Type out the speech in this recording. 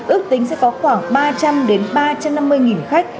ước tính sẽ có khoảng ba trăm linh ba trăm năm mươi khách